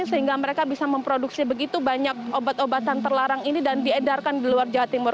sehingga mereka bisa memproduksi begitu banyak obat obatan terlarang ini dan diedarkan di luar jawa timur